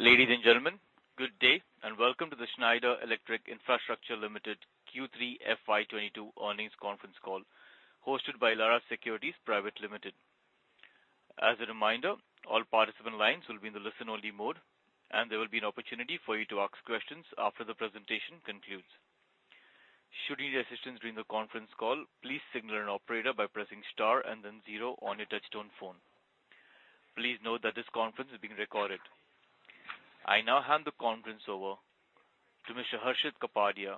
Ladies and gentlemen, good day and welcome to the Schneider Electric Infrastructure Limited Q3 FY 2022 Earnings Conference Call, hosted by Elara Securities Private Limited. As a reminder, all participant lines will be in the listen-only mode, and there will be an opportunity for you to ask questions after the presentation concludes. Should you need assistance during the conference call, please signal an operator by pressing star and then zero on your touchtone phone. Please note that this conference is being recorded. I now hand the conference over to Mr. Harshit Kapadia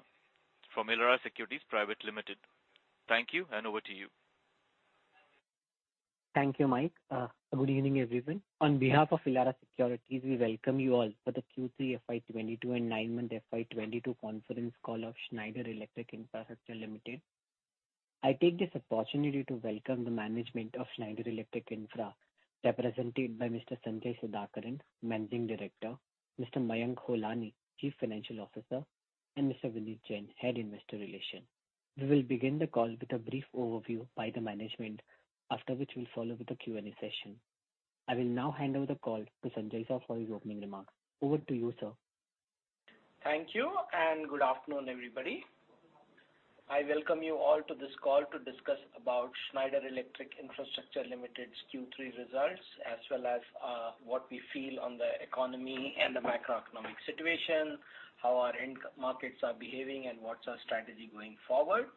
from Elara Securities Private Limited. Thank you, and over to you. Thank you, Mike. Good evening, everyone. On behalf of Elara Securities, we welcome you all for the Q3 FY 2022 and nine-month FY 2022 conference call of Schneider Electric Infrastructure Limited. I take this opportunity to welcome the management of Schneider Electric Infra, represented by Mr. Sanjay Sudhakaran, Managing Director, Mr. Mayank Holani, Chief Financial Officer, and Mr. Vineet Jain, Head, Investor Relations. We will begin the call with a brief overview by the management after which we'll follow with the Q&A session. I will now hand over the call to Sanjay sir for his opening remarks. Over to you, sir. Thank you, and good afternoon, everybody. I welcome you all to this call to discuss about Schneider Electric Infrastructure Limited's Q3 results, as well as what we feel on the economy and the macroeconomic situation, how our end markets are behaving, and what's our strategy going forward.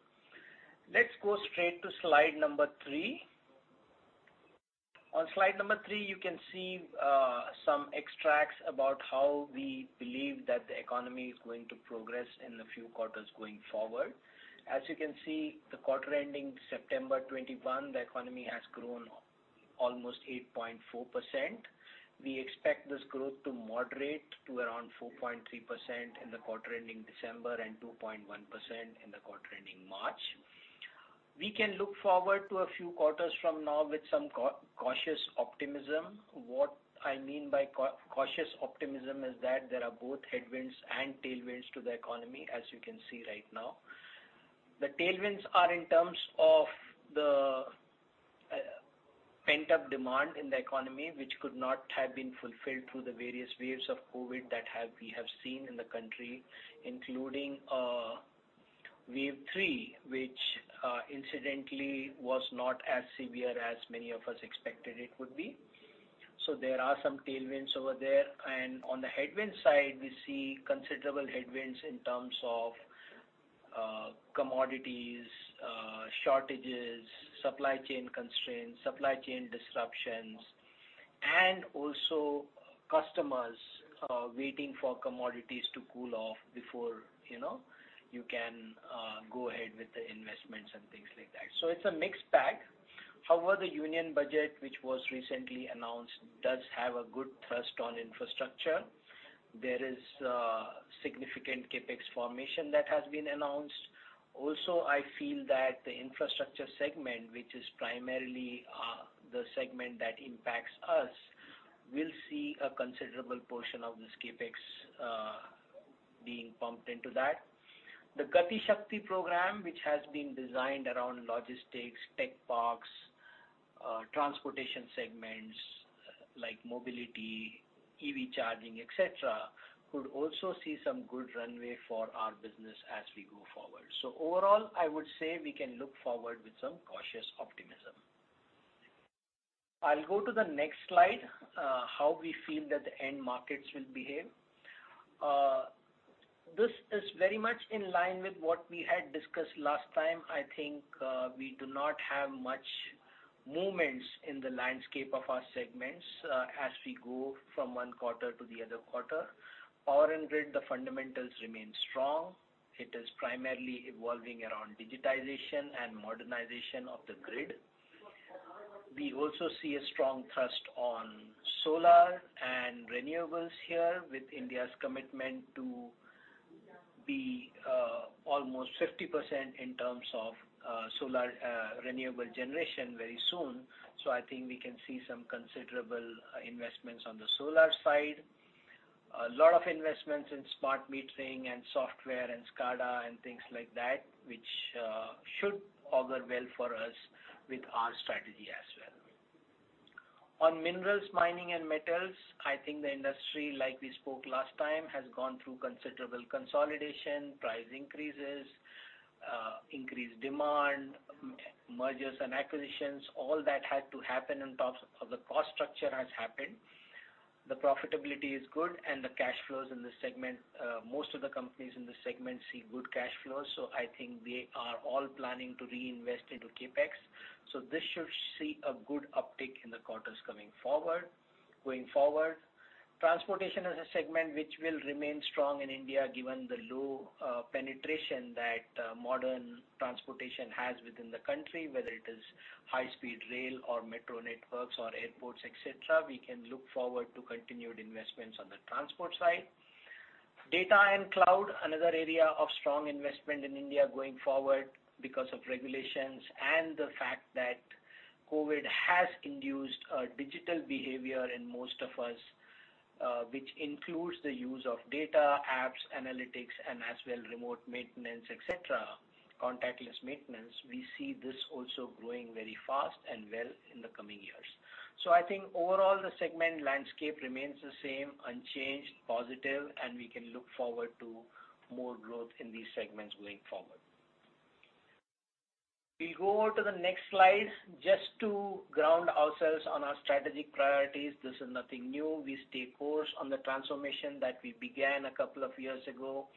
Let's go straight to slide number three. On slide number three, you can see some extracts about how we believe that the economy is going to progress in the few quarters going forward. As you can see, the quarter ending September 2021, the economy has grown almost 8.4%. We expect this growth to moderate to around 4.3% in the quarter ending December and 2.1% in the quarter ending March. We can look forward to a few quarters from now with some cautious optimism. What I mean by cautious optimism is that there are both headwinds and tailwinds to the economy, as you can see right now. The tailwinds are in terms of the pent-up demand in the economy, which could not have been fulfilled through the various waves of COVID that we have seen in the country, including wave three, which incidentally was not as severe as many of us expected it would be. There are some tailwinds over there. On the headwind side, we see considerable headwinds in terms of commodities shortages, supply chain constraints, supply chain disruptions, and also customers waiting for commodities to cool off before you know you can go ahead with the investments and things like that. It's a mixed bag. However, the Union Budget, which was recently announced, does have a good thrust on infrastructure. There is significant CapEx formation that has been announced. Also, I feel that the infrastructure segment, which is primarily the segment that impacts us, will see a considerable portion of this CapEx being pumped into that. The Gati Shakti program, which has been designed around logistics, tech parks, transportation segments like mobility, EV charging, et cetera, could also see some good runway for our business as we go forward. Overall, I would say we can look forward with some cautious optimism. I'll go to the next slide, how we feel that the end markets will behave. This is very much in line with what we had discussed last time. I think we do not have much movements in the landscape of our segments as we go from one quarter to the other quarter. Power and grid, the fundamentals remain strong. It is primarily evolving around digitization and modernization of the grid. We also see a strong thrust on solar and renewables here with India's commitment to be almost 50% in terms of solar renewable generation very soon. I think we can see some considerable investments on the solar side. A lot of investments in smart metering and software and SCADA and things like that, which should augur well for us with our strategy as well. On minerals, mining, and metals, I think the industry, like we spoke last time, has gone through considerable consolidation, price increases, increased demand, mergers and acquisitions. All that had to happen in terms of the cost structure has happened. The profitability is good and the cash flows in this segment, most of the companies in this segment see good cash flows. I think they are all planning to reinvest into CapEx. This should see a good uptick in the quarters coming forward. Going forward, transportation is a segment which will remain strong in India, given the low penetration that modern transportation has within the country, whether it is high-speed rail or metro networks or airports, et cetera. We can look forward to continued investments on the transport side. Data and cloud, another area of strong investment in India going forward because of regulations and the fact that COVID has induced a digital behavior in most of us, which includes the use of data, apps, analytics, and as well remote maintenance, et cetera. Contactless maintenance, we see this also growing very fast and well in the coming years. I think overall, the segment landscape remains the same, unchanged, positive, and we can look forward to more growth in these segments going forward. We go to the next slide just to ground ourselves on our strategic priorities. This is nothing new. We stay course on the transformation that we began a couple of years ago.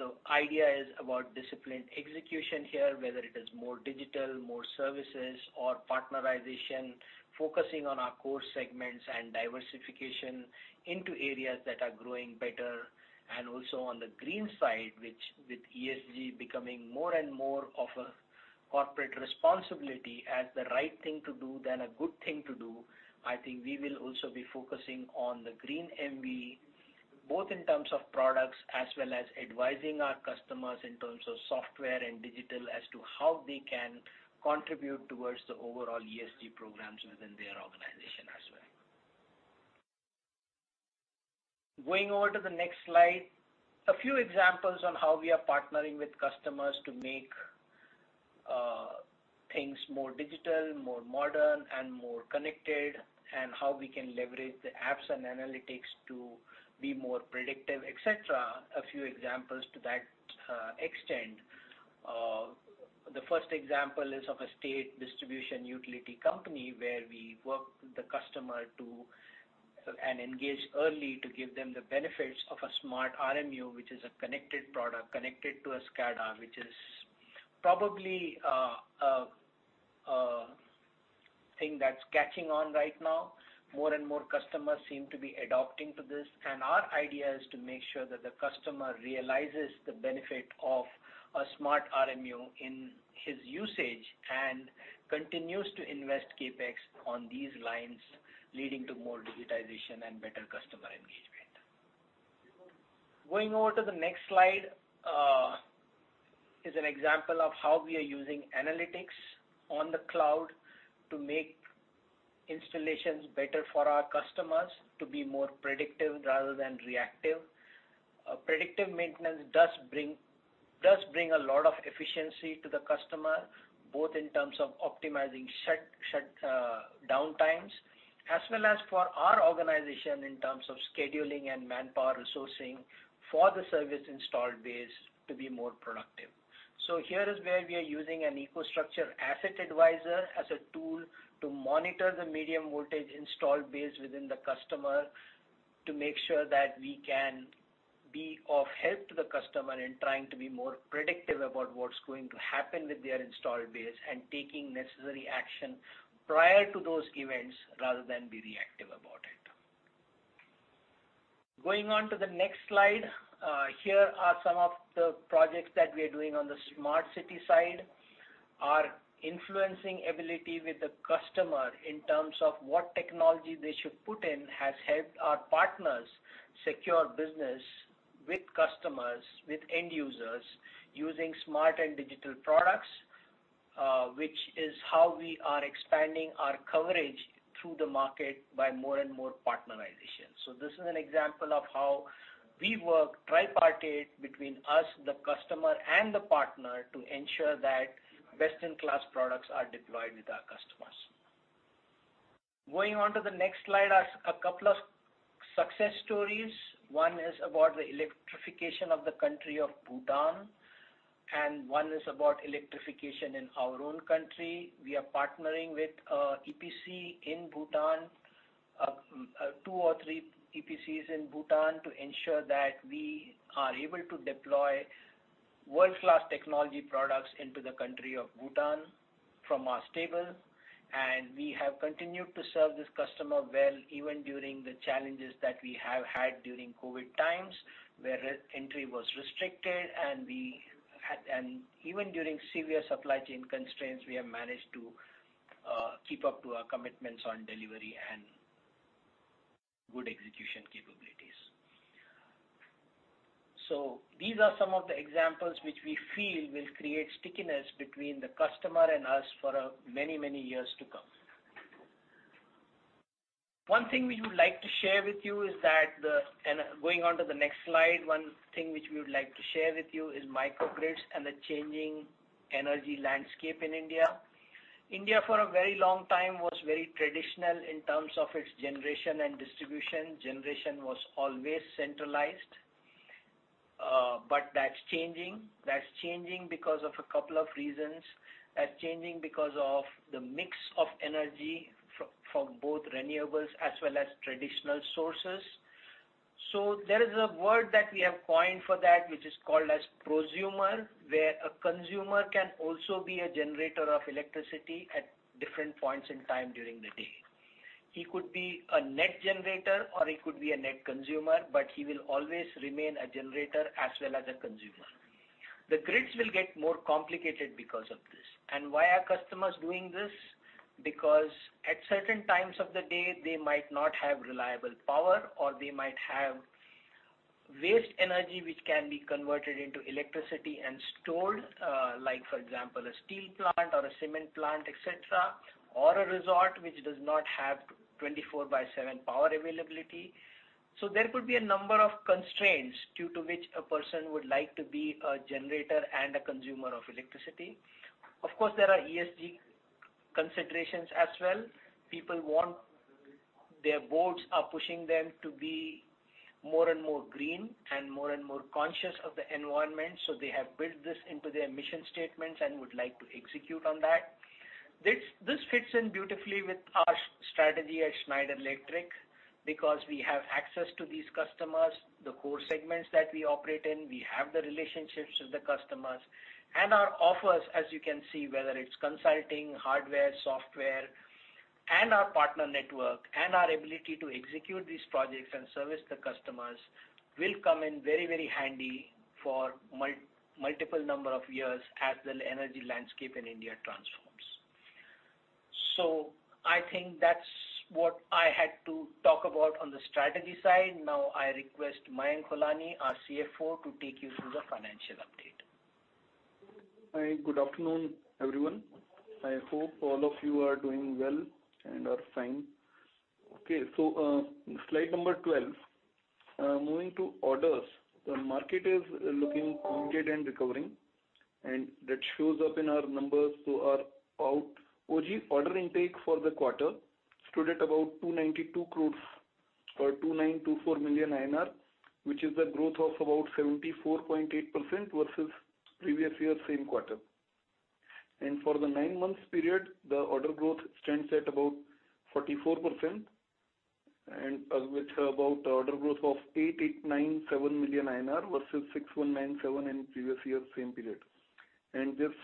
The idea is about disciplined execution here, whether it is more digital, more services or partnerization, focusing on our core segments and diversification into areas that are growing better. Also on the green side, which with ESG becoming more and more of a corporate responsibility as the right thing to do than a good thing to do, I think we will also be focusing on the green MV, both in terms of products as well as advising our customers in terms of software and digital as to how they can contribute towards the overall ESG programs within their organization as well. Going over to the next slide. A few examples on how we are partnering with customers to make things more digital, more modern and more connected, and how we can leverage the apps and analytics to be more predictive, et cetera. A few examples to that extent. The first example is of a state distribution utility company, where we work with the customer to and engage early to give them the benefits of a smart RMU, which is a connected product, connected to a SCADA, which is probably a thing that's catching on right now. More and more customers seem to be adopting this. Our idea is to make sure that the customer realizes the benefit of a smart RMU in his usage and continues to invest CapEx on these lines, leading to more digitization and better customer engagement. Going over to the next slide is an example of how we are using analytics on the cloud to make installations better for our customers to be more predictive rather than reactive. Predictive maintenance does bring a lot of efficiency to the customer, both in terms of optimizing shutdown downtimes, as well as for our organization in terms of scheduling and manpower resourcing for the service installed base to be more productive. Here is where we are using an EcoStruxure Asset Advisor as a tool to monitor the medium voltage installed base within the customer, to make sure that we can be of help to the customer in trying to be more predictive about what's going to happen with their installed base and taking necessary action prior to those events rather than be reactive about it. Going on to the next slide. Here are some of the projects that we are doing on the smart city side. Our influencing ability with the customer in terms of what technology they should put in, has helped our partners secure business with customers, with end users, using smart and digital products, which is how we are expanding our coverage through the market by more and more partnerization. This is an example of how we work tripartite between us, the customer and the partner to ensure that best-in-class products are deployed with our customers. Going on to the next slide are a couple of success stories. One is about the electrification of the country of Bhutan, and one is about electrification in our own country. We are partnering with EPC in Bhutan, two or three EPCs in Bhutan, to ensure that we are able to deploy world-class technology products into the country of Bhutan from our stable. We have continued to serve this customer well even during the challenges that we have had during COVID times, where e-entry was restricted, and even during severe supply chain constraints, we have managed to keep up to our commitments on delivery and good execution capabilities. These are some of the examples which we feel will create stickiness between the customer and us for many years to come. One thing we would like to share with you is microgrids and the changing energy landscape in India. India, for a very long time, was very traditional in terms of its generation and distribution. Generation was always centralized, but that's changing. That's changing because of a couple of reasons. That's changing because of the mix of energy from both renewables as well as traditional sources. There is a word that we have coined for that which is called as prosumer, where a consumer can also be a generator of electricity at different points in time during the day. He could be a net generator or he could be a net consumer, but he will always remain a generator as well as a consumer. The grids will get more complicated because of this. Why are customers doing this? Because at certain times of the day, they might not have reliable power, or they might have waste energy which can be converted into electricity and stored. Like, for example, a steel plant or a cement plant, et cetera, or a resort which does not have 24/7 power availability. There could be a number of constraints due to which a person would like to be a generator and a consumer of electricity. Of course, there are ESG considerations as well. People want. Their boards are pushing them to be more and more green and more and more conscious of the environment, so they have built this into their mission statements and would like to execute on that. This fits in beautifully with our strategy at Schneider Electric because we have access to these customers, the core segments that we operate in, we have the relationships with the customers. Our offers, as you can see, whether it's consulting, hardware, software, and our partner network and our ability to execute these projects and service the customers will come in very, very handy for multiple number of years as the energy landscape in India transforms. I think that's what I had to talk about on the strategy side. Now I request Mayank Holani, our CFO, to take you through the financial update. Hi. Good afternoon, everyone. I hope all of you are doing well and are fine. Okay. Slide number 12. Moving to orders. The market is looking good and recovering, and that shows up in our numbers which are out. Order intake for the quarter stood at about 292 crores or 2,924 million INR, which is a growth of about 74.8% versus previous year same quarter. For the nine months period, the order growth stands at about 44% and with about order growth of 8,897 million INR versus 6,197 million in previous year same period. This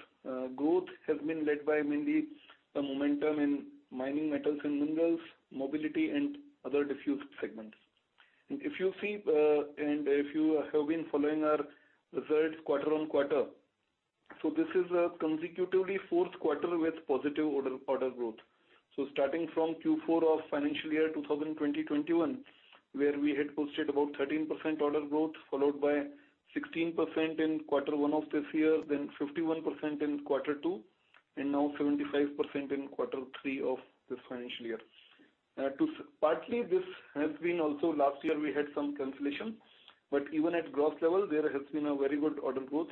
growth has been led by mainly the momentum in mining, metals and minerals, mobility and other diverse segments. If you see, if you have been following our results quarter on quarter, this is a consecutive fourth quarter with positive order growth. Starting from Q4 of financial year 2020/2021, where we had posted about 13% order growth, followed by 16% in quarter one of this year, then 51% in quarter two, and now 75% in quarter three of this financial year. Partly this has been also last year we had some cancellation, but even at gross level, there has been a very good order growth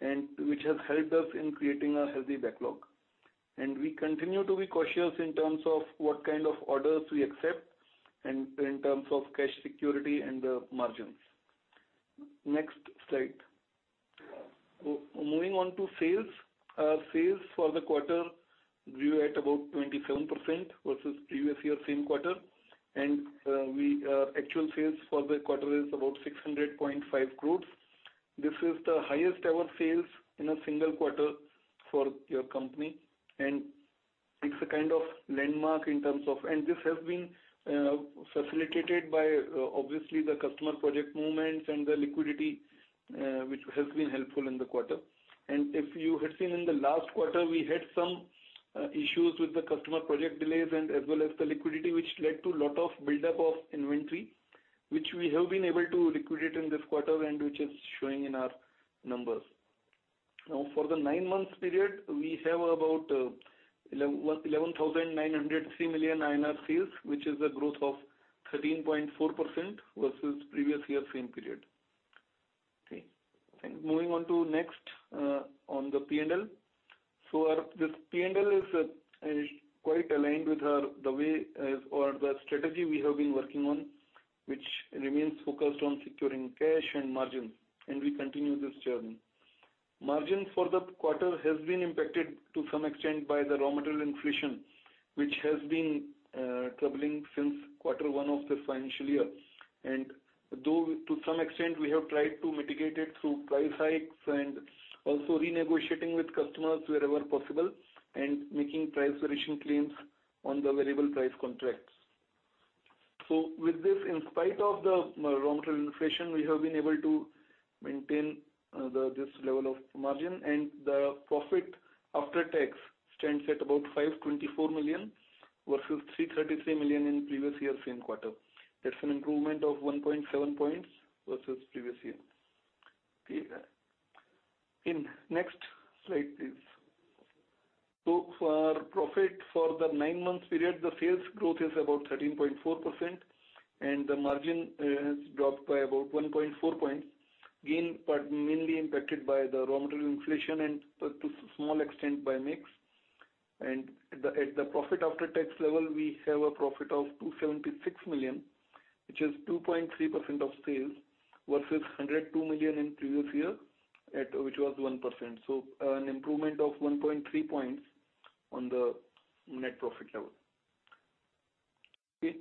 and which has helped us in creating a healthy backlog. We continue to be cautious in terms of what kind of orders we accept and in terms of cash security and the margins. Next slide. Moving on to sales. Sales for the quarter grew at about 27% versus previous year same quarter. Actual sales for the quarter is about 600.5 crores. This is the highest ever sales in a single quarter for your company, and it's a kind of landmark in terms of. This has been facilitated by obviously the customer project movements and the liquidity which has been helpful in the quarter. If you had seen in the last quarter, we had some issues with the customer project delays and as well as the liquidity, which led to lot of buildup of inventory, which we have been able to liquidate in this quarter and which is showing in our numbers. Now for the nine-month period, we have about 11,903 million sales, which is a growth of 13.4% versus previous year same period. Okay. Moving on to next, on the P&L. So our this P&L is quite aligned with our the way or the strategy we have been working on, which remains focused on securing cash and margins, and we continue this journey. Margins for the quarter has been impacted to some extent by the raw material inflation, which has been troubling since quarter one of this financial year. Though to some extent we have tried to mitigate it through price hikes and also renegotiating with customers wherever possible and making price variation claims on the variable price contracts. With this, in spite of the raw material inflation, we have been able to maintain this level of margin. The profit after tax stands at about 524 million versus 333 million in previous year same quarter. That's an improvement of 1.7 points versus previous year. Okay. Next slide, please. For our profit for the nine-month period, the sales growth is about 13.4% and the margin has dropped by about 1.4 points, again, but mainly impacted by the raw material inflation and to small extent by mix. At the profit after tax level, we have a profit of 276 million, which is 2.3% of sales versus 102 million in previous year which was 1%. An improvement of 1.3 points on the net profit level. Okay.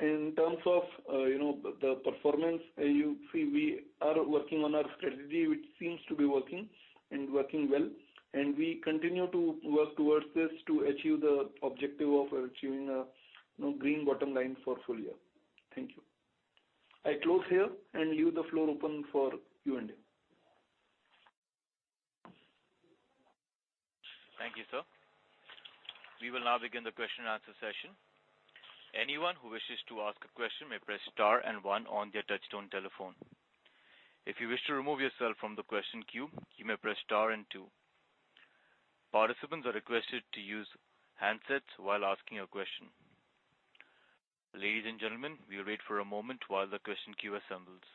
In terms of, you know, the performance, you see, we are working on our strategy, which seems to be working and working well, and we continue to work towards this to achieve the objective of achieving a, you know, green bottom line for full year. Thank you. I close here and leave the floor open for Q&A. Thank you, sir. We will now begin the question and answer session. Anyone who wishes to ask a question may press star and one on their touchtone telephone. If you wish to remove yourself from the question queue, you may press star and two. Participants are requested to use handsets while asking a question. Ladies and gentlemen, we'll wait for a moment while the question queue assembles.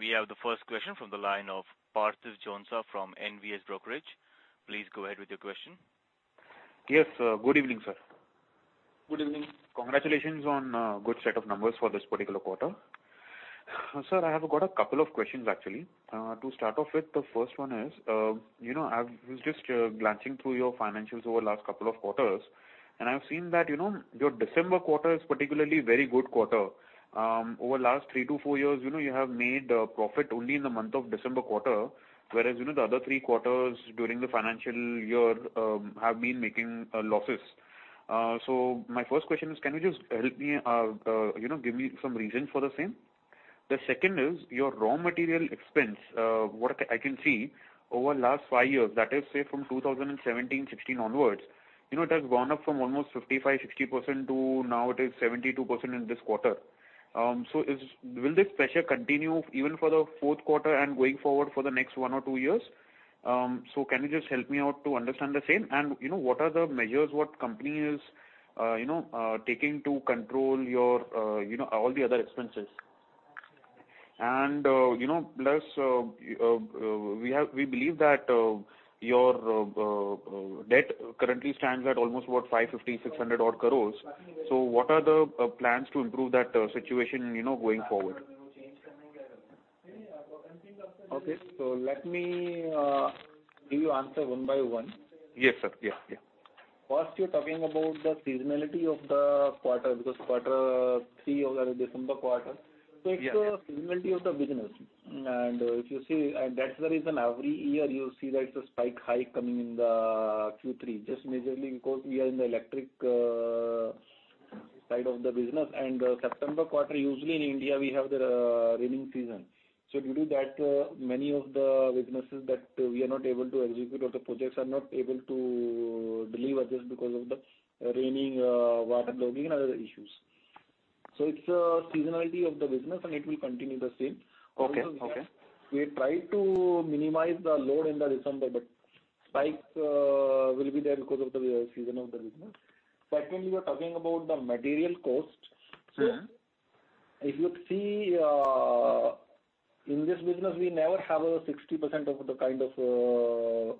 We have the first question from the line of Parthiv Jhonsa from NVS Brokerage. Please go ahead with your question. Yes. Good evening, sir. Good evening. Congratulations on a good set of numbers for this particular quarter. Sir, I have got a couple of questions, actually. To start off with, the first one is, you know, I've been just glancing through your financials over the last couple of quarters, and I've seen that, you know, your December quarter is particularly very good quarter. Over the last three to four years, you know, you have made profit only in the month of December quarter, whereas, you know, the other three quarters during the financial year have been making losses. My first question is, can you just help me, you know, give me some reasons for the same? The second is your raw material expense. What I can see over the last five years, that is, say, from 2016 onwards, you know, it has gone up from almost 55%-60% to now it is 72% in this quarter. Will this pressure continue even for the fourth quarter and going forward for the next one or two years? Can you just help me out to understand the same? What are the measures the company is taking to control all the other expenses? Plus, we believe that your debt currently stands at almost 550 crore-600 crore. What are the plans to improve that situation going forward? Okay. Let me give you answer one by one. Yes, sir. Yeah. Yeah. First, you're talking about the seasonality of the quarter because quarter three over December quarter. Yeah. It's the seasonality of the business. If you see, that's the reason every year you see that it's a high spike coming in the Q3, just majorly because we are in the electric side of the business. In the September quarter, usually in India, we have the rainy season. Due to that, many of the businesses that we are not able to execute or the projects are not able to deliver just because of the rain, water logging and other issues. It's a seasonality of the business, and it will continue the same. Okay. Okay. We try to minimize the load in December, but spikes will be there because of the seasonality of the business. Secondly, you are talking about the material cost. Mm-hmm. If you see, in this business, we never have a 60% of the kind of,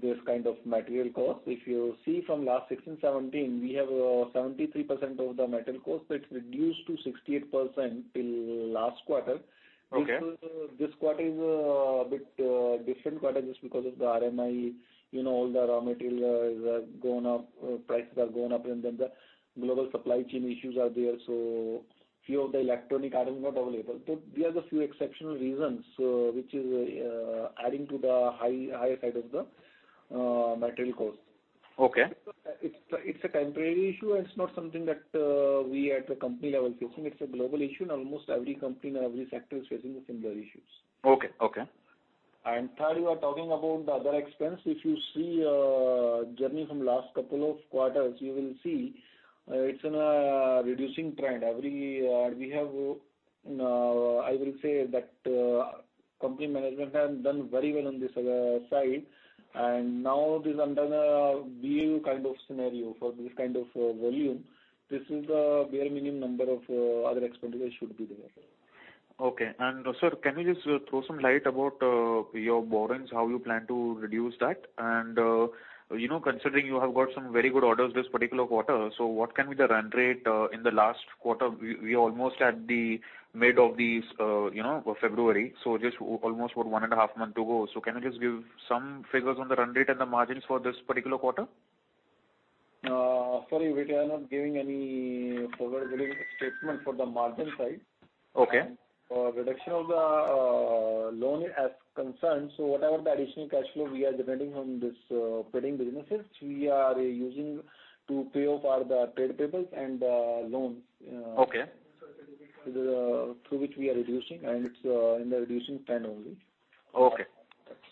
this kind of material cost. If you see from last 2016, 2017, we have, 73% of the material cost. It's reduced to 68% till last quarter. Okay. This quarter is a bit different quarter just because of the RMI. You know, all the raw materials have gone up, prices have gone up, and then the global supply chain issues are there. Few of the electronic items not available. These are the few exceptional reasons, which is adding to the higher side of the material cost. Okay. It's a temporary issue, and it's not something that we at the company level are facing. It's a global issue, and almost every company and every sector is facing similar issues. Okay. Third, you are talking about the other expense. If you see journey from last couple of quarters, you will see it's in a reducing trend. I will say that company management has done very well on this side. Now this is under the bear kind of scenario. For this kind of volume, this is the bare minimum number of other expenditures should be there. Okay. Sir, can you just throw some light about your borrowings, how you plan to reduce that? You know, considering you have got some very good orders this particular quarter, what can be the run rate in the last quarter? We're almost at the mid of this, you know, February, so just almost, what, one and a half month to go. Can you just give some figures on the run rate and the margins for this particular quarter? Sorry, we are not giving any forward-looking statement for the margin side. Okay. Reduction of the loan as concerned. Whatever the additional cash flow we are generating from this pending businesses, we are using to pay off our trade payables and loans. Okay. Through which we are reducing, and it's in the reducing trend only. Okay.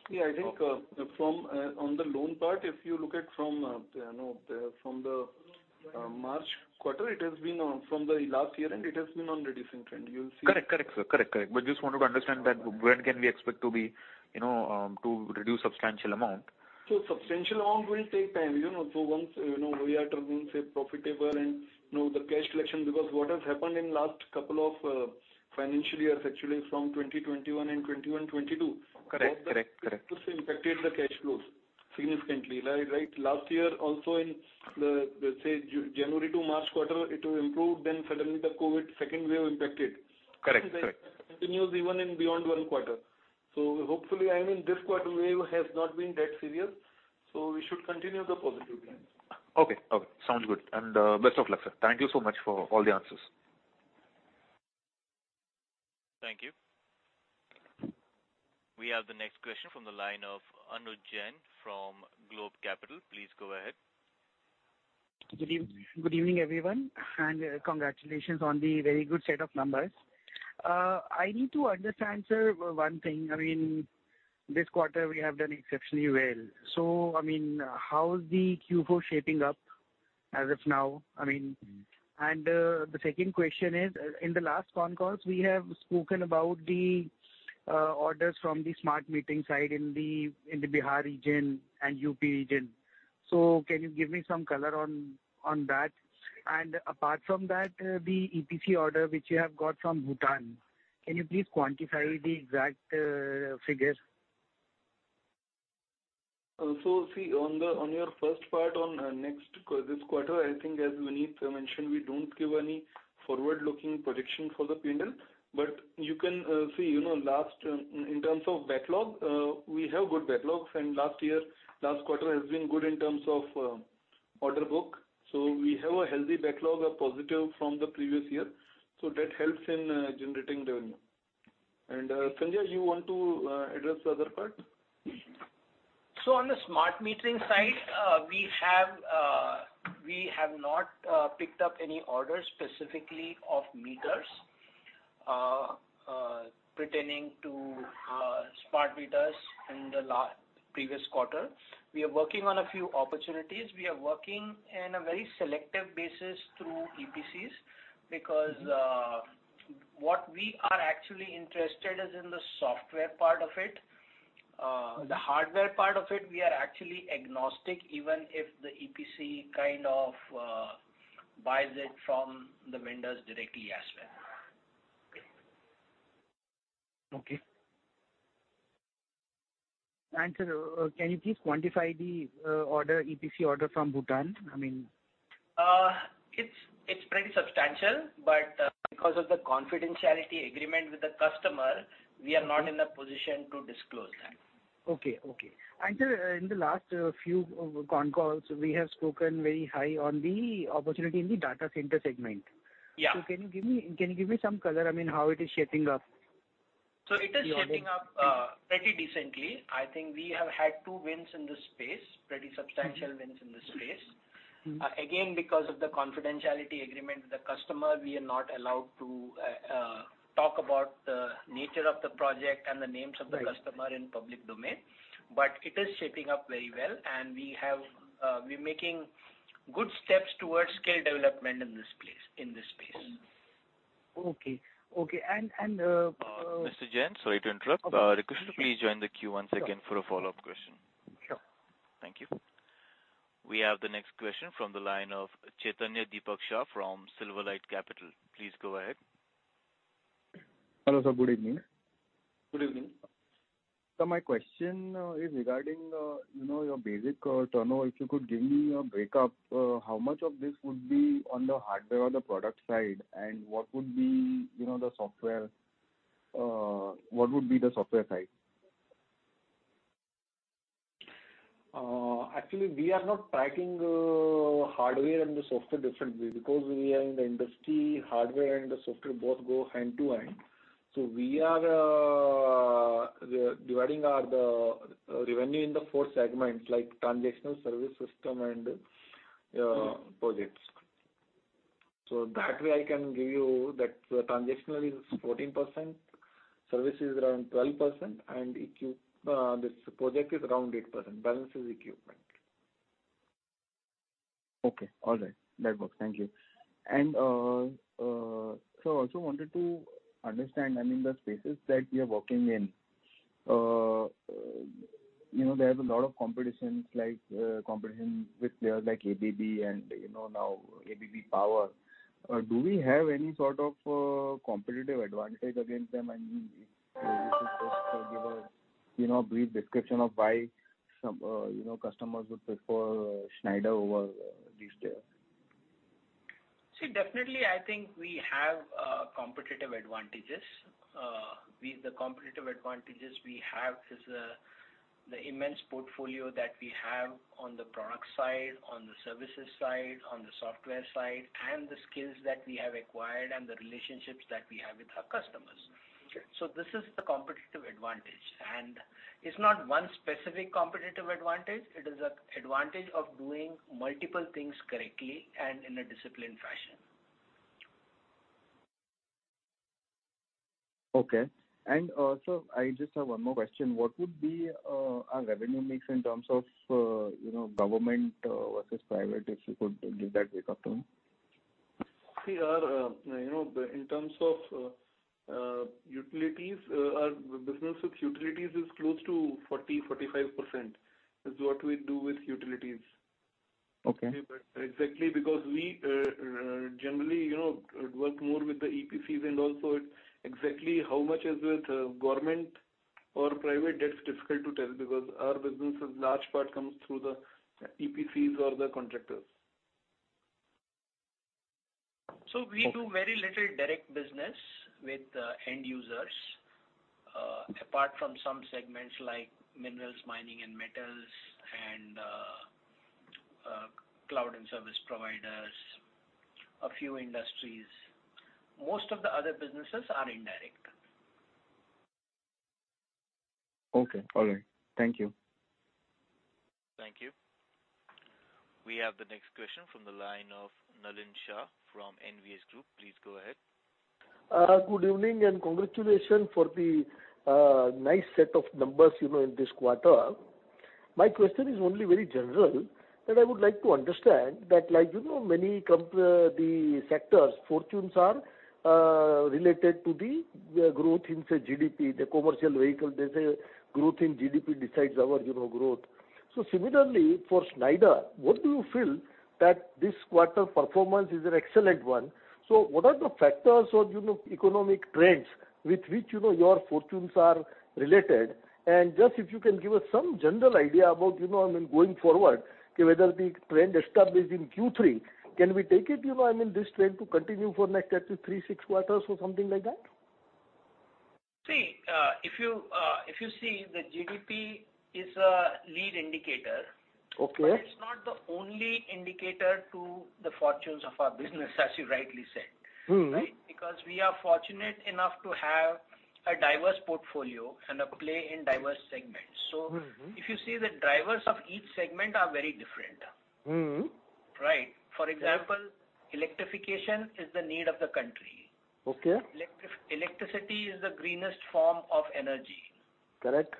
Yeah, I think on the loan part, if you look at, you know, from the March quarter, it has been from the last year, and it has been on reducing trend. You'll see. Correct, sir. We just wanted to understand that when can we expect to be, you know, to reduce substantial amount? Substantial amount will take time, you know. Once, you know, we are turning, say, profitable and, you know, the cash collection, because what has happened in last couple of financial years, actually from 2021 and 2021-2022. Correct. Also impacted the cash flows significantly. Like, right, last year also in, say, January to March quarter, it will improve, then suddenly the COVID second wave impacted. Correct. Correct. That continues even into and beyond one quarter. Hopefully, I mean, this COVID wave has not been that serious, so we should continue the positive trends. Okay. Sounds good. Best of luck, sir. Thank you so much for all the answers. Thank you. We have the next question from the line of Anuj Jain from Globe Capital. Please go ahead. Good evening, everyone. Congratulations on the very good set of numbers. I need to understand, sir, one thing. I mean, this quarter we have done exceptionally well. I mean, how is the Q4 shaping up as of now? The second question is, in the last con calls, we have spoken about the orders from the smart metering side in the Bihar region and UP region. Can you give me some color on that? Apart from that, the EPC order which you have got from Bhutan, can you please quantify the exact figure? See, on your first part on next quarter, I think as Vineet mentioned, we don't give any forward-looking projection for the P&L. You can see, you know, in terms of backlog, we have good backlogs. Last year, last quarter has been good in terms of order book. We have a healthy backlog of positive from the previous year. That helps in generating revenue. Sanjay, you want to address the other part? On the smart metering side, we have not picked up any orders specifically of meters pertaining to smart meters in the previous quarter. We are working on a few opportunities. We are working on a very selective basis through EPCs because what we are actually interested in is the software part of it. The hardware part of it, we are actually agnostic, even if the EPC kind of buys it from the vendors directly as well. Okay. Sir, can you please quantify the order, EPC order from Bhutan? I mean. It's pretty substantial, but because of the confidentiality agreement with the customer, we are not in a position to disclose that. Okay. Sir, in the last few concalls, we have spoken very high on the opportunity in the data center segment. Yeah. Can you give me some color, I mean, how it is shaping up, the order? It is shaping up pretty decently. I think we have had two wins in this space, pretty substantial wins in this space. Mm-hmm. Again, because of the confidentiality agreement with the customer, we are not allowed to talk about the nature of the project and the names of the customer in public domain. It is shaping up very well. We're making good steps towards skill development in this place, in this space. Okay. Mr. Jain, sorry to interrupt. Request you to please join the queue once again for a follow-up question. Sure. Thank you. We have the next question from the line of Chaitanya Deepak Shah from Silverlight Capital. Please go ahead. Hello, sir. Good evening. Good evening. Sir, my question is regarding, you know, your basic turnover. If you could give me a break up, how much of this would be on the hardware or the product side, and what would be, you know, the software side? Actually, we are not tracking hardware and the software differently. Because we are in the industry, hardware and the software both go hand in hand. We are dividing our revenue into four segments, like transactional, service, system, and projects. That way I can give you that transactionally is 14%, service is around 12%, and this project is around 8%. Balance is equipment. Okay. All right. That works. Thank you. I also wanted to understand, I mean, the spaces that we are working in, you know, there's a lot of competition with players like ABB and, you know, now ABB Power. Do we have any sort of competitive advantage against them? I mean, if you could just give a, you know, a brief description of why some, you know, customers would prefer Schneider over these players. See, definitely I think we have competitive advantages. The competitive advantages we have is the immense portfolio that we have on the product side, on the services side, on the software side, and the skills that we have acquired and the relationships that we have with our customers. Sure. This is the competitive advantage. It's not one specific competitive advantage. It is a advantage of doing multiple things correctly and in a disciplined fashion. Okay. Sir, I just have one more question. What would be our revenue mix in terms of you know, government versus private, if you could give that break up to me? We are, you know, in terms of utilities, our business with utilities is close to 40%-45%, is what we do with utilities. Okay. Exactly because we generally, you know, work more with the EPCs and also exactly how much is with government or private, that's difficult to tell because our business is large part comes through the EPCs or the contractors. We do very little direct business with end users apart from some segments like minerals, mining and metals and cloud and service providers, a few industries. Most of the other businesses are indirect. Okay. All right. Thank you. Thank you. We have the next question from the line of Nalin Shah from NVS Group. Please go ahead. Good evening and congratulations for the nice set of numbers, you know, in this quarter. My question is only very general, that I would like to understand that like, you know, the sectors fortunes are related to the growth in, say, GDP, the commercial vehicle. They say growth in GDP decides our, you know, growth. So similarly, for Schneider, what do you feel that this quarter performance is an excellent one. So what are the factors or, you know, economic trends with which you know your fortunes are related? Just if you can give us some general idea about, you know, I mean, going forward, whether the trend established in Q3, can we take it, you know, I mean, this trend to continue for next at least three, six quarters or something like that? See, if you see the GDP is a lead indicator. Okay. It's not the only indicator to the fortunes of our business, as you rightly said. Mm-hmm. Right? Because we are fortunate enough to have a diverse portfolio and a play in diverse segments. Mm-hmm. If you see the drivers of each segment are very different. Mm-hmm. Right. For example, electrification is the need of the country. Okay. Electricity is the greenest form of energy. Correct.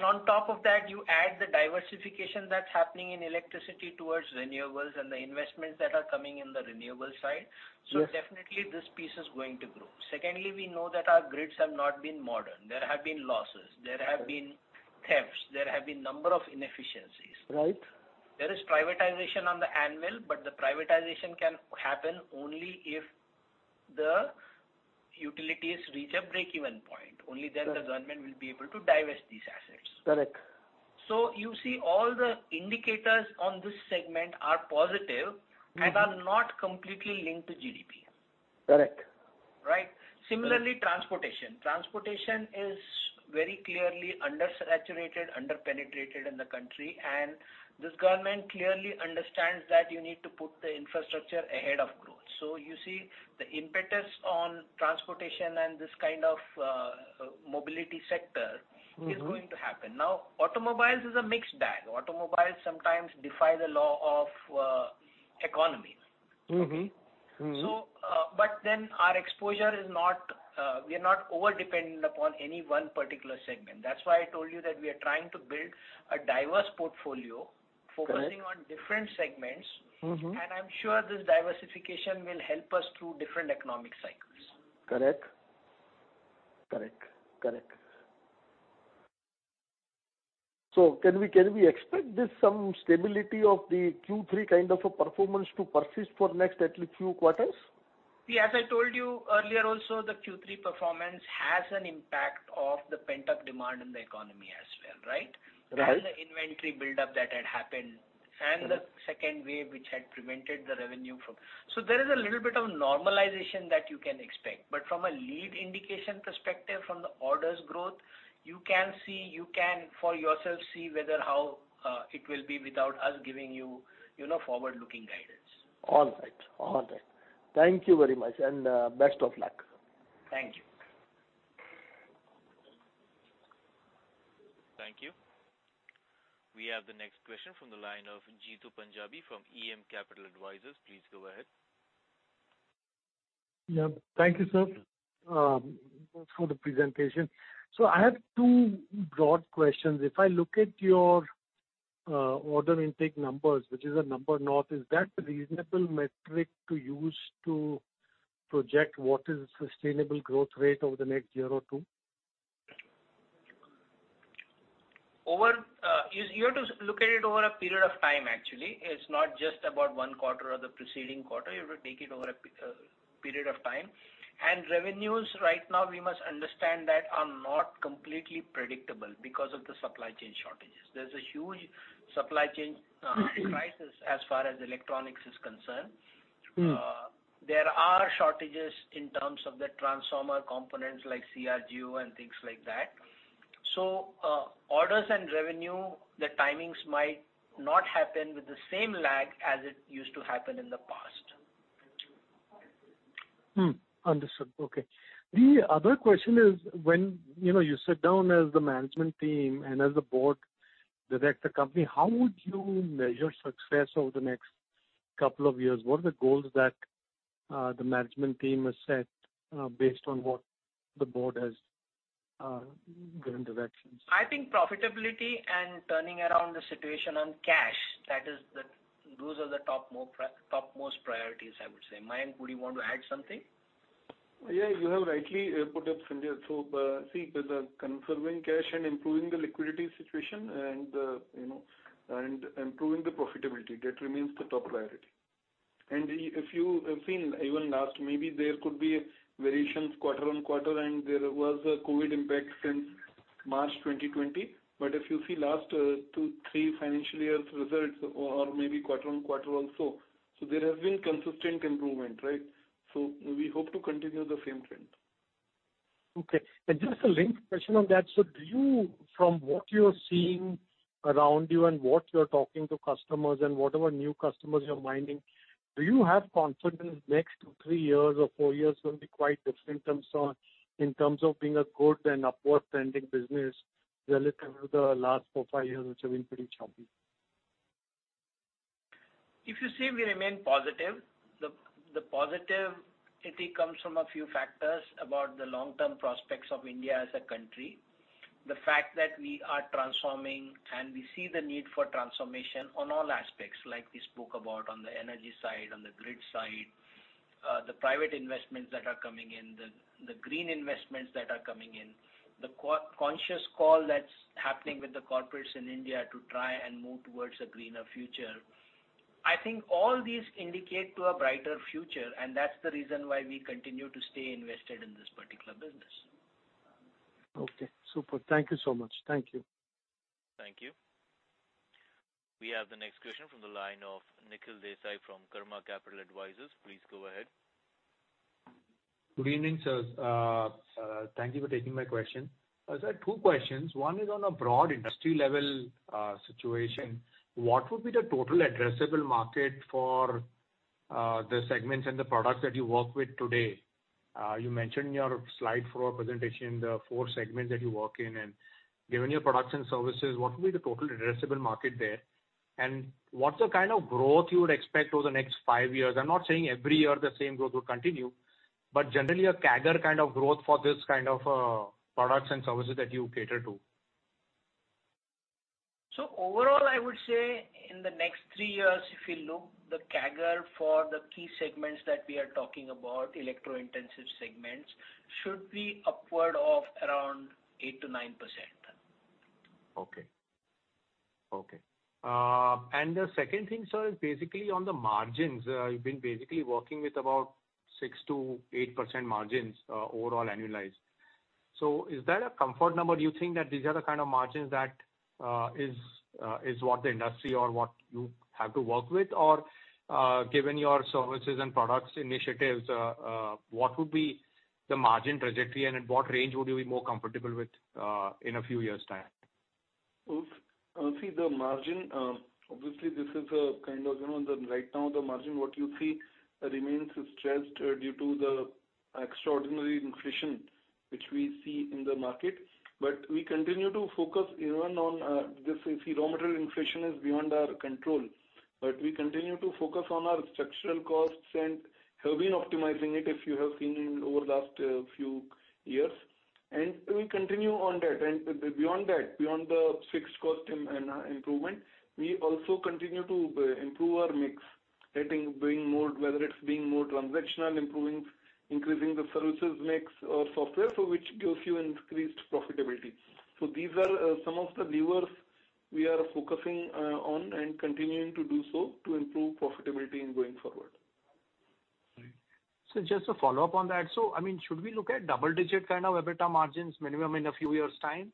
On top of that, you add the diversification that's happening in electricity towards renewables and the investments that are coming in the renewable side. Yes. Definitely this piece is going to grow. Secondly, we know that our grids have not been modernized. There have been losses, there have been thefts, there have been a number of inefficiencies. Right. There is privatization on the anvil, but the privatization can happen only if the utilities reach a break-even point. Correct. Only then the government will be able to divest these assets. Correct. You see all the indicators on this segment are positive. Mm-hmm. Are not completely linked to GDP. Correct. Right. Similarly, transportation. Transportation is very clearly undersaturated, underpenetrated in the country. This government clearly understands that you need to put the infrastructure ahead of growth. You see the impetus on transportation and this kind of, mobility sector. Mm-hmm. Is going to happen. Now, automobiles is a mixed bag. Automobiles sometimes defy the law of economy. Mm-hmm. Mm-hmm. We are not over dependent upon any one particular segment. That's why I told you that we are trying to build a diverse portfolio. Correct. Focusing on different segments. Mm-hmm. I'm sure this diversification will help us through different economic cycles. Correct. Can we expect this some stability of the Q3 kind of a performance to persist for next at least few quarters? See, as I told you earlier also, the Q3 performance has an impact of the pent-up demand in the economy as well, right? Right. There was the inventory buildup that had happened. Mm-hmm. The second wave which had prevented the revenue from. There is a little bit of normalization that you can expect. From a lead indication perspective, from the orders growth, you can see for yourself how it will be without us giving you know, forward-looking guidance. All right. Thank you very much and best of luck. Thank you. Thank you. We have the next question from the line of Jeetu Panjabi from EM Capital Advisors. Please go ahead. Yeah, thank you, sir, for the presentation. I have two broad questions. If I look at your order intake numbers, which is a number north, is that the reasonable metric to use to project what is sustainable growth rate over the next year or two? You have to look at it over a period of time actually. It's not just about one quarter or the preceding quarter. You have to take it over a period of time. Revenues right now, we must understand that are not completely predictable because of the supply chain shortages. There's a huge supply chain crisis as far as electronics is concerned. Mm-hmm. There are shortages in terms of the transformer components like CRGO and things like that. Orders and revenue, the timings might not happen with the same lag as it used to happen in the past. Understood. Okay. The other question is when, you know, you sit down as the management team and as a board direct the company, how would you measure success over the next couple of years? What are the goals that the management team has set based on what the board has given directions? I think profitability and turning around the situation on cash. Those are the topmost priorities, I would say. Mayank, would you want to add something? Yeah, you have rightly put it, Sanjay. See, because conserving cash and improving the liquidity situation and, you know, and improving the profitability, that remains the top priority. If you have seen even last, maybe there could be variations quarter on quarter, and there was a COVID impact since March 2020. If you see last two, three financial years' results or maybe quarter on quarter also, there has been consistent improvement, right? We hope to continue the same trend. Okay. Just a linked question on that. Do you... From what you're seeing around you and what you're talking to customers and whatever new customers you're mining, do you have confidence next two, three years or four years will be quite different in terms of being a good and upward trending business relative to the last four, five years which have been pretty choppy? If you see, we remain positive. The positivity comes from a few factors about the long-term prospects of India as a country. The fact that we are transforming and we see the need for transformation on all aspects, like we spoke about on the energy side, on the grid side, the private investments that are coming in, the green investments that are coming in, the eco-conscious call that's happening with the corporates in India to try and move towards a greener future. I think all these indicate to a brighter future, and that's the reason why we continue to stay invested in this particular business. Okay. Super. Thank you so much. Thank you. Thank you. We have the next question from the line of Nikhil Desai from Karma Capital Advisors. Please go ahead. Good evening, sirs. Thank you for taking my question. Sir, two questions. One is on a broad industry level situation. What would be the total addressable market for the segments and the products that you work with today? You mentioned in your slide for our presentation the four segments that you work in. Given your products and services, what will be the total addressable market there? What's the kind of growth you would expect over the next five years? I'm not saying every year the same growth will continue, but generally a CAGR kind of growth for this kind of products and services that you cater to. Overall, I would say in the next three years, if you look, the CAGR for the key segments that we are talking about, electro-intensive segments, should be upward of around 8%-9%. Okay. The second thing, sir, is basically on the margins. You've been basically working with about 6%-8% margins, overall annualized. Is that a comfort number? Do you think that these are the kind of margins that is what the industry or what you have to work with? Or, given your services and products initiatives, what would be the margin trajectory and in what range would you be more comfortable with, in a few years' time? See the margin, obviously this is a kind of, you know, right now the margin what you see remains stressed due to the extraordinary inflation which we see in the market. We continue to focus even on this. Raw material inflation is beyond our control. We continue to focus on our structural costs and have been optimizing it, if you have seen over the last few years. We continue on that. Beyond that, beyond the fixed cost improvement, we also continue to improve our mix, getting, being more, whether it's being more transactional, improving, increasing the services mix or software, so which gives you increased profitability. These are some of the levers we are focusing on and continuing to do so to improve profitability going forward. Just a follow-up on that. I mean, should we look at double-digit kind of EBITDA margins minimum in a few years' time?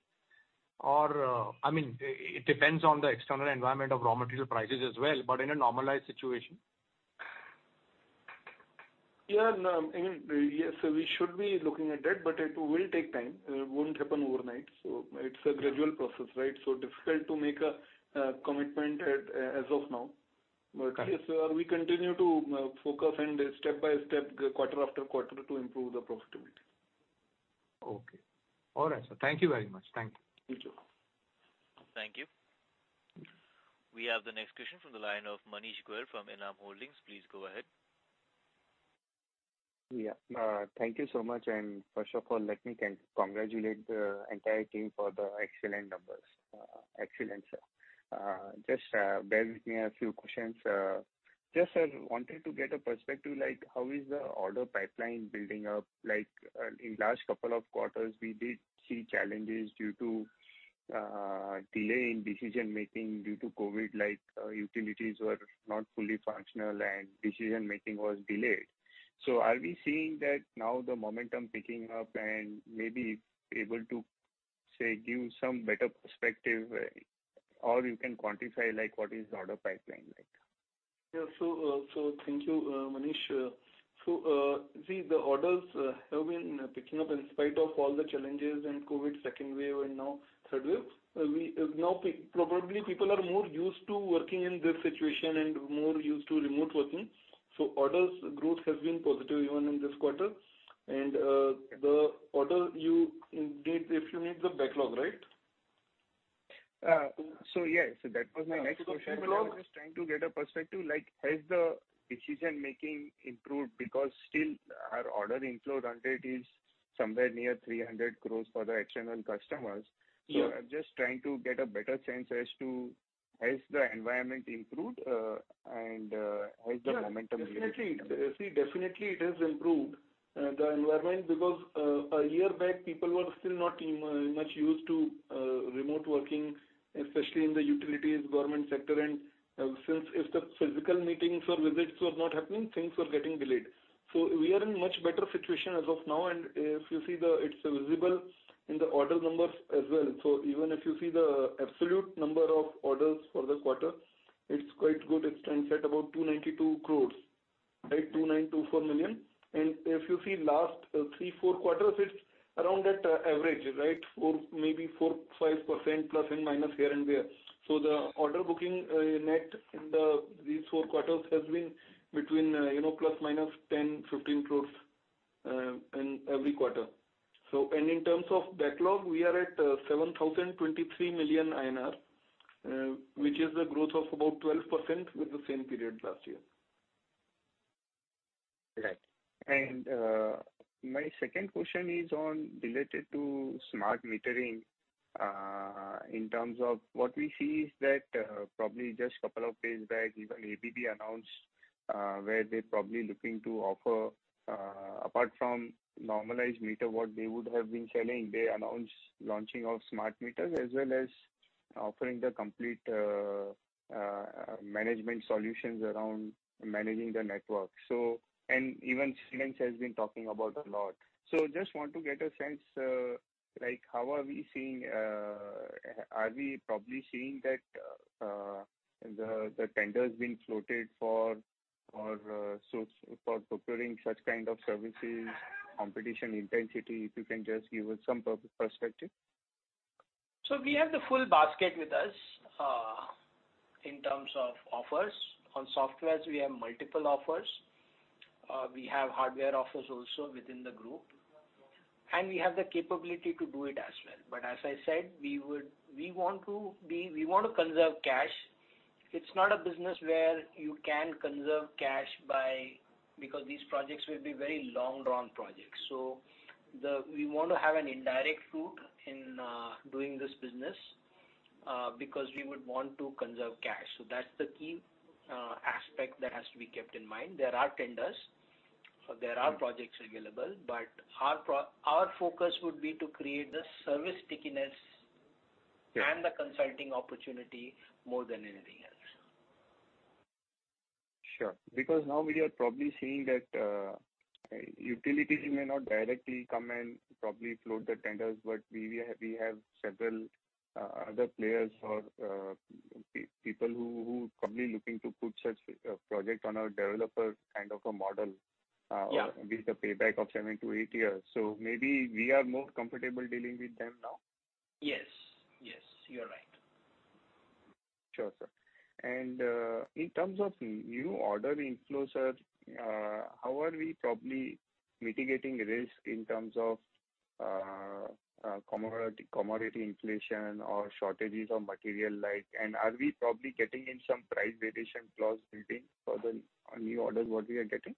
Or, I mean, it depends on the external environment of raw material prices as well, but in a normalized situation. Yeah, no, I mean, yes, we should be looking at that, but it will take time. It won't happen overnight. It's a gradual process, right? Difficult to make a commitment as of now. Got it. Yes, we continue to focus and step by step, quarter after quarter, to improve the profitability. Okay. All right, sir. Thank you very much. Thank you. Thank you. Thank you. We have the next question from the line of Manish Goyal from Enam Holdings. Please go ahead. Yeah. Thank you so much. First of all, let me congratulate the entire team for the excellent numbers. Excellent, sir. Just bear with me a few questions. Just, sir, wanted to get a perspective, like how is the order pipeline building up? Like, in last couple of quarters, we did see challenges due to delay in decision-making due to COVID, like, utilities were not fully functional and decision-making was delayed. Are we seeing that now the momentum picking up and maybe able to say, give some better perspective or you can quantify, like what is the order pipeline like? Yeah. Thank you, Manish. See, the orders have been picking up in spite of all the challenges and COVID second wave and now third wave. Now probably people are more used to working in this situation and more used to remote working. Orders growth has been positive even in this quarter. The order book, indeed, if you need the backlog, right? Yeah. That was my next question. The backlog. I was just trying to get a perspective, like has the decision-making improved? Because still our order inflow run rate is somewhere near 300 crore for the panel customers. Yeah. I'm just trying to get a better sense as to has the environment improved, and has the momentum- Yeah. Definitely. See, definitely it has improved the environment because a year back, people were still not much used to remote working, especially in the utilities government sector. Since if the physical meetings or visits were not happening, things were getting delayed. We are in much better situation as of now. If you see, it's visible in the order numbers as well. Even if you see the absolute number of orders for the quarter, it's quite good. It stands at about 292 crore, right? 2,924 million. If you see last three, four quarters, it's around that average, right? Maybe 4%, 5%± here and there. The order booking net in these four quarters has been between, you know, ±10, 15 crore in every quarter. In terms of backlog, we are at 7,023 million INR, which is the growth of about 12% with the same period last year. Right. My second question is related to smart metering, in terms of what we see is that, probably just a couple of days back, even ABB announced, where they're probably looking to offer, apart from normal meter, what they would have been selling. They announced launching of smart meters as well as offering the complete management solutions around managing the network. Even Siemens has been talking about a lot. Just want to get a sense, like, how are we seeing. Are we probably seeing that, the tenders being floated for or for procuring such kind of services, competition intensity? If you can just give us some perspective. We have the full basket with us in terms of offers. On softwares, we have multiple offers. We have hardware offers also within the group, and we have the capability to do it as well. As I said, we want to conserve cash. It's not a business where you can conserve cash by because these projects will be very long run projects. We want to have an indirect route in doing this business because we would want to conserve cash. That's the key aspect that has to be kept in mind. There are tenders or there are projects available, our focus would be to create the service stickiness. Yeah. The consulting opportunity more than anything else. Sure. Now we are probably seeing that utilities may not directly come and probably float the tenders, but we have several other players or people who probably looking to put such a project on a developer kind of a model. Yeah. With a payback of seven to eight years. Maybe we are more comfortable dealing with them now. Yes. Yes, you're right. Sure, sir. In terms of new order inflow, sir, how are we probably mitigating risk in terms of commodity inflation or shortages of material like? Are we probably getting in some price variation clause built in for the new orders what we are getting?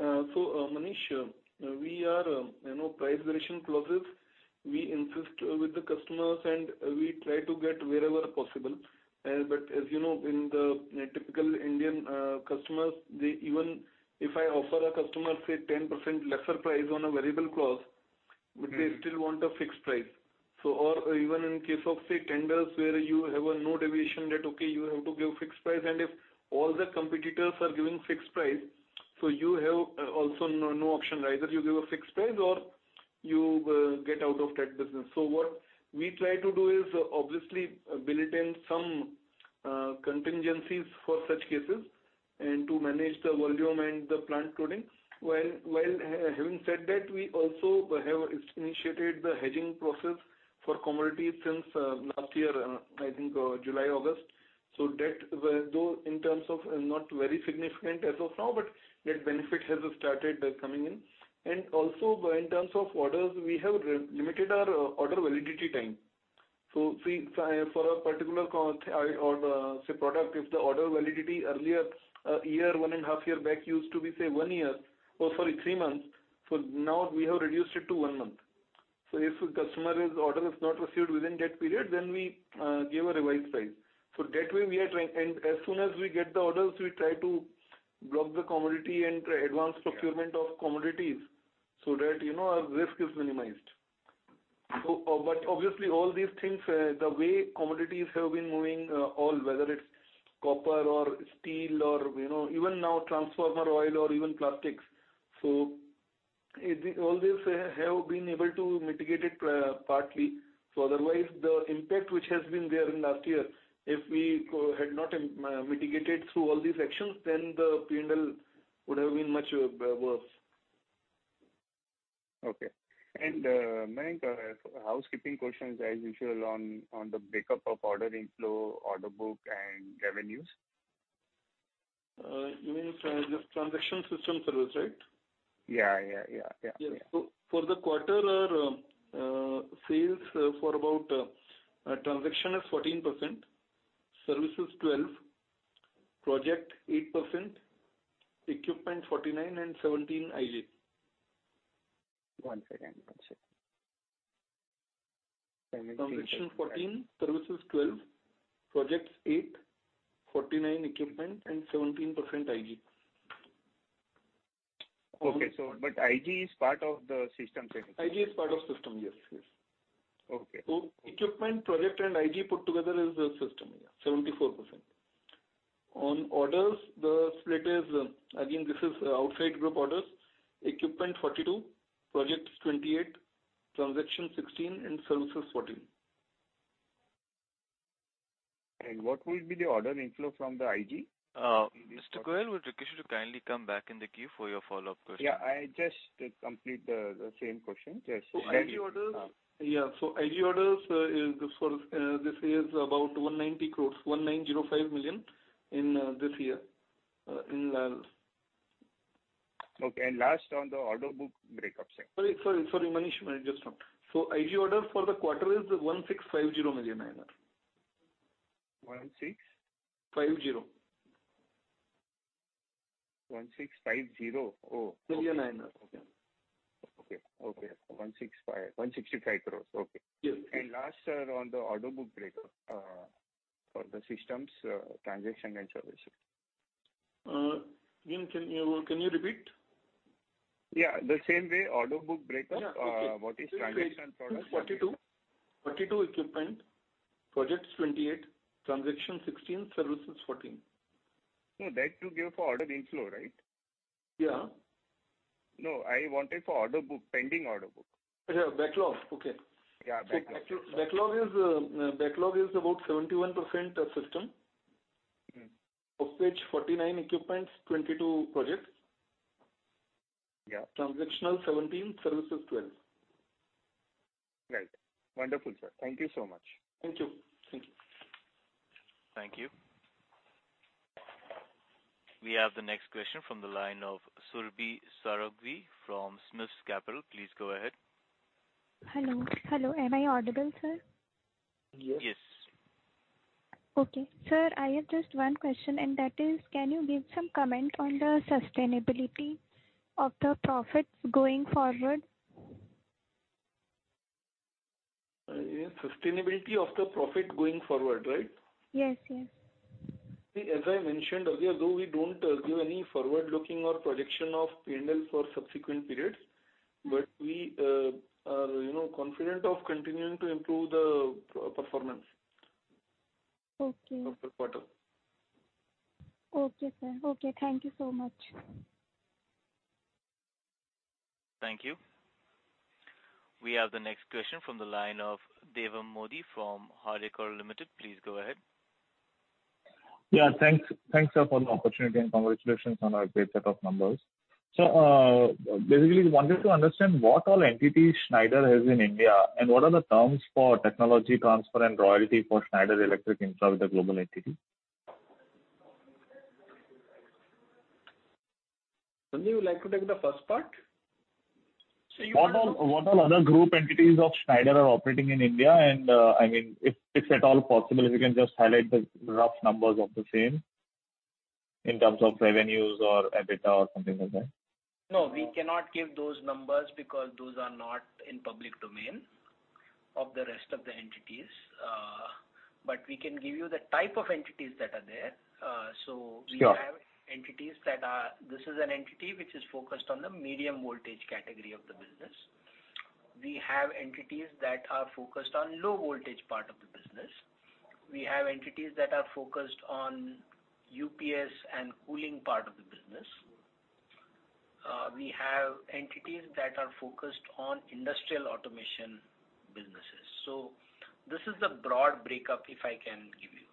Manish, we are, you know, price variation clauses. We insist with the customers, and we try to get wherever possible. As you know, in the typical Indian customers, they even if I offer a customer, say, 10% lesser price on a variable clause, but they still want a fixed price. Or even in case of, say, tenders, where you have a no deviation that, okay, you have to give fixed price. If all the competitors are giving fixed price, so you have also no option. Either you give a fixed price or you get out of that business. What we try to do is obviously build in some contingencies for such cases and to manage the volume and the plant loading. While having said that, we also have initiated the hedging process for commodity since last year, I think, July, August. Though in terms of not very significant as of now, but that benefit has started coming in. Also in terms of orders, we have re-limited our order validity time. Say for a particular product, if the order validity earlier, a year, 1.5 years back used to be, say, one year or sorry, three months. Now we have reduced it to one month. If a customer's order is not received within that period, then we give a revised price. That way we are trying. As soon as we get the orders, we try to block the commodity and try advance procurement of commodities so that, you know, our risk is minimized. But obviously all these things, the way commodities have been moving, all, whether it's copper or steel or, you know, even now transformer oil or even plastics. All this have been able to mitigate it, partly. Otherwise the impact which has been there in last year, if we had not mitigated through all these actions, then the P&L would have been much worse. Okay. Mayank, housekeeping questions as usual on the break-up of order inflow, order book and revenues. You mean the transaction system service, right? Yeah. For the quarter, our sales for about transaction is 14%, service is 12%, project 8%, equipment 49%, and 17% IG. One second. Transactions 14%, services 12%, projects 8%, 49% equipment, and 17% IG. Okay. IG is part of the system settings. IG is part of system, yes. Okay. Equipment, project and IG put together is the system, yeah, 74%. On orders, the split is, again, this is outside group orders. Equipment 42%, projects 28%, transactions 16%, and services 14%. What will be the order inflow from the IG? Mr. Goyal, we request you to kindly come back in the queue for your follow-up question. Yeah, I just complete the same question. Yes. IG orders is this for this is about 190 crores, 1,905 million in this year in the... Okay. Last on the order book breakups. Sorry, Manish. Manish, just one. IG orders for the quarter is 1,650 million. One, six? Five, zero. One, six, five, zero? Oh. million INR. Okay. 165 crores. Okay. Yes. Last, on the order book breakup, for the systems, transaction and services. Again, can you repeat? Yeah. The same way order book breakup. Yeah. What is transmission product? 42% equipment, projects 28%, transactions 16%, services 14%. No, that you gave for order inflow, right? Yeah. No, I wanted the order book, pending order book. Yeah, backlog. Okay. Yeah, backlog. Backlog is about 71% of system. Mm-hmm. Of which 49% equipments, 22% projects. Yeah. Transactional 17%, services 12%. Right. Wonderful, sir. Thank you so much. Thank you. Thank you. Thank you. We have the next question from the line of Surabhi Saraogi from SMIFS Capital. Please go ahead. Hello. Am I audible, sir? Yes. Yes. Okay. Sir, I have just one question, and that is, can you give some comment on the sustainability of the profits going forward? Sustainability of the profit going forward, right? Yes, yes. See, as I mentioned earlier, though we don't give any forward-looking or projection of P&L for subsequent periods, but we are, you know, confident of continuing to improve the performance. Okay. Of the quarter. Okay, sir. Okay. Thank you so much. Thank you. We have the next question from the line of Devam Modi from Harikol Limited. Please go ahead. Yeah, thanks. Thanks, sir, for the opportunity, and congratulations on a great set of numbers. I basically wanted to understand what all entities Schneider has in India, and what are the terms for technology transfer and royalty for Schneider Electric Infra with the global entity? Sanjay, would you like to take the first part? What all other group entities of Schneider are operating in India? I mean, if at all possible, if you can just highlight the rough numbers of the same in terms of revenues or EBITDA or something like that. No, we cannot give those numbers because those are not in public domain of the rest of the entities. We can give you the type of entities that are there. Sure. This is an entity which is focused on the medium voltage category of the business. We have entities that are focused on low voltage part of the business. We have entities that are focused on UPS and cooling part of the business. We have entities that are focused on Industrial Automation businesses. This is the broad breakup, if I can give you.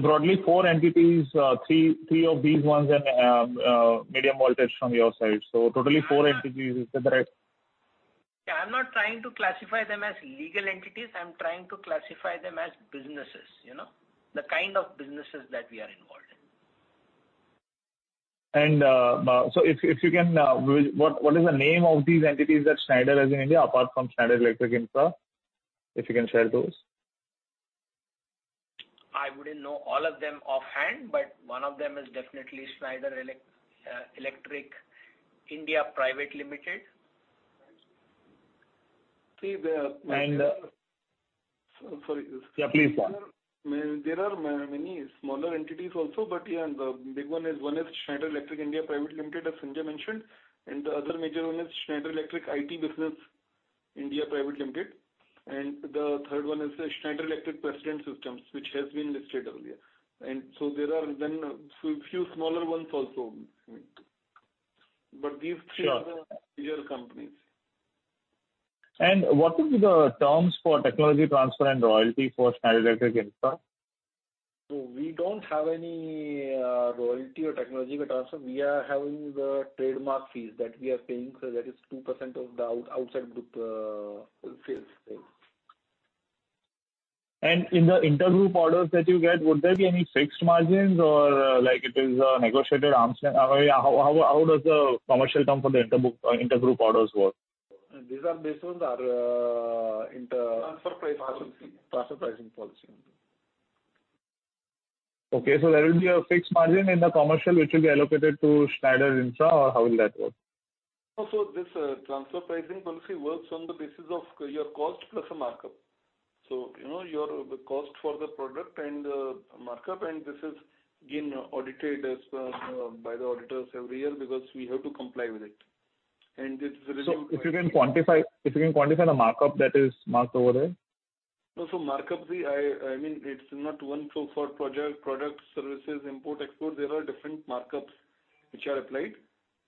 Broadly four entities, three of these ones and medium voltage from your side. Totally four entities, is that right? Yeah. I'm not trying to classify them as legal entities. I'm trying to classify them as businesses, you know. The kind of businesses that we are involved in. If you can, what is the name of these entities that Schneider has in India apart from Schneider Electric Infra? If you can share those. I wouldn't know all of them offhand, but one of them is definitely Schneider Electric India Private Limited. See the- And- Sorry. Yeah, please go on. There are many smaller entities also, but yeah, the big one is, one is Schneider Electric India Private Limited, as Sanjay mentioned, and the other major one is Schneider Electric IT Business India Private Limited. The third one is the Schneider Electric President Systems, which has been listed earlier. There are then a few smaller ones also. These three- Sure. -are bigger companies. What is the terms for technology transfer and royalty for Schneider Electric Infra? We don't have any royalty or technology transfer. We are having the trademark fees that we are paying, so that is 2% of the outside group sales, yes. In the intergroup orders that you get, would there be any fixed margins or, like it is, negotiated arm's length? How does the commercial term for the intergroup orders work? These are based on our inter- Transfer pricing policy. Transfer pricing policy. Okay, there will be a fixed margin in the commercial which will be allocated to Schneider inside or how will that work? No, this transfer pricing policy works on the basis of your cost plus a markup. You know your cost for the product and markup, and this is again audited by the auditors every year because we have to comply with it. It's really- If you can quantify the markup that is marked over there. No, markup. I mean it's not one flow for project, product, services, import, export. There are different markups which are applied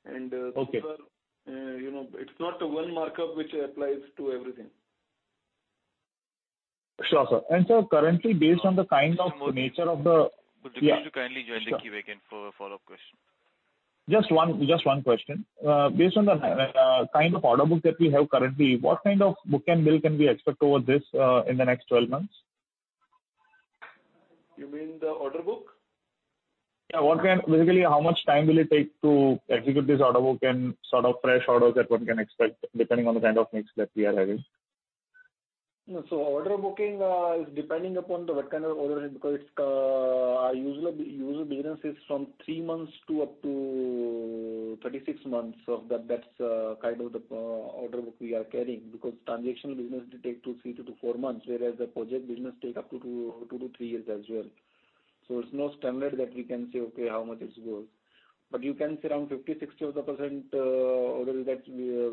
and- Okay. -these are, you know, it's not one markup which applies to everything. Sure, sir. Sir, currently based on the kind of nature of the- Could you please kindly join the queue again for a follow-up question. Just one question. Based on the kind of order book that we have currently, what kind of book and bill can we expect over this in the next 12 months? You mean the order book? Basically, how much time will it take to execute this order book and sort of fresh orders that one can expect depending on the kind of mix that we are having? No, order booking is depending upon what kind of order, because it's our usual business from three months to up to 36 months of that. That's kind of the order book we are carrying. Because transactional business take two to three to four months, whereas the project business take up to two to three years as well. It's no standard that we can say, "Okay, how much it goes?" You can say around 50%-60% orders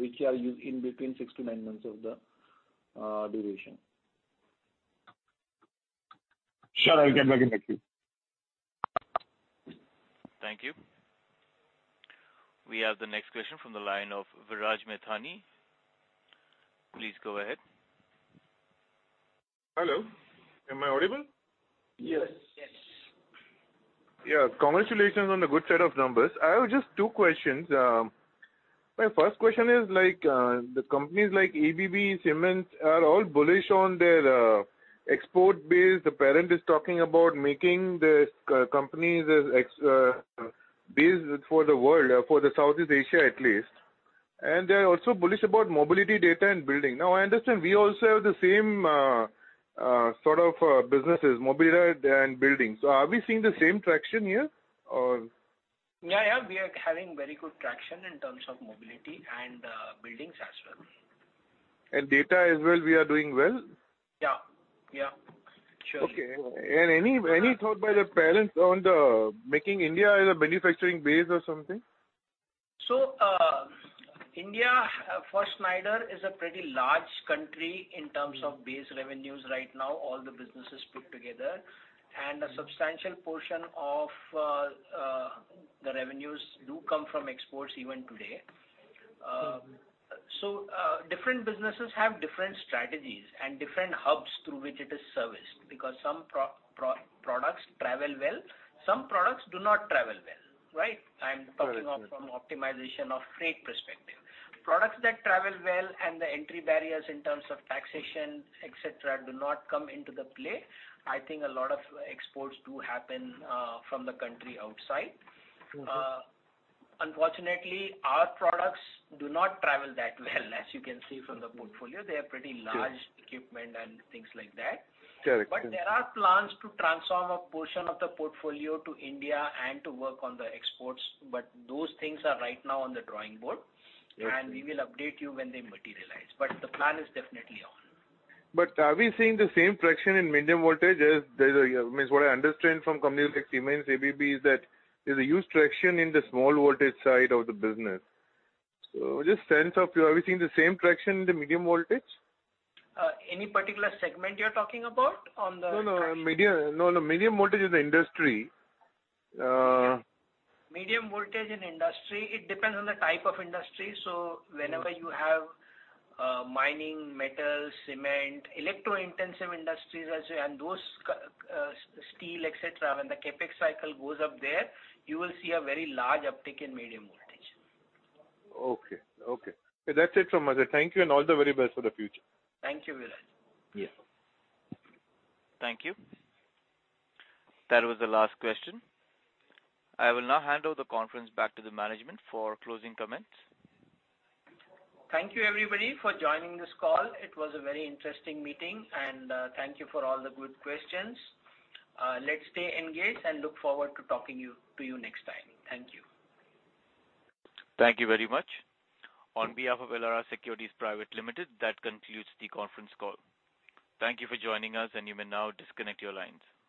which are in between six to nine months of the duration. Sure, I will get back in the queue. Thank you. We have the next question from the line of Viraj Mithani. Please go ahead. Hello, am I audible? Yes. Yes. Yeah. Congratulations on the good set of numbers. I have just two questions. My first question is like, the companies like ABB, Siemens are all bullish on their export base. The parent is talking about making this company the export base for the world, for Southeast Asia at least. They are also bullish about mobility data and building. Now, I understand we also have the same sort of businesses, mobility and building. Are we seeing the same traction here or? Yeah, yeah. We are having very good traction in terms of mobility and, buildings as well. Data as well, we are doing well? Yeah. Yeah. Surely. Any thought by the parent on making India as a manufacturing base or something? India for Schneider is a pretty large country in terms of base revenues right now, all the businesses put together. A substantial portion of the revenues do come from exports even today. Different businesses have different strategies and different hubs through which it is serviced because some products travel well, some products do not travel well, right? I'm talking of from optimization of freight perspective. Products that travel well and the entry barriers in terms of taxation, etc., do not come into the play. I think a lot of exports do happen from the country outside. Mm-hmm. Unfortunately, our products do not travel that well, as you can see from the portfolio. They are pretty large equipment and things like that. Correct. There are plans to transform a portion of the portfolio to India and to work on the exports. Those things are right now on the drawing board. Okay. We will update you when they materialize. The plan is definitely on. Are we seeing the same traction in medium voltage? I mean, what I understand from companies like Siemens, ABB, is that there's a huge traction in the low voltage side of the business. Just a sense of, are we seeing the same traction in the medium voltage? Any particular segment you're talking about on the? No. Medium voltage is the industry. Medium voltage in industry, it depends on the type of industry. Whenever you have mining, metal, cement, electro-intensive industries and those steel, etc., when the CapEx cycle goes up there, you will see a very large uptick in medium voltage. Okay. That's it from my side. Thank you and all the very best for the future. Thank you, Viraj. Yeah. Thank you. That was the last question. I will now hand over the conference back to the management for closing comments. Thank you, everybody, for joining this call. It was a very interesting meeting, and thank you for all the good questions. Let's stay engaged and look forward to talking to you next time. Thank you. Thank you very much. On behalf of Elara Securities Private Limited, that concludes the conference call. Thank you for joining us, and you may now disconnect your lines.